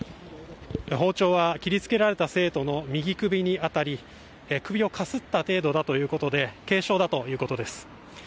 包丁は切りつけられた生徒の右首に当たり首をかすった程度だということで、軽傷だということです。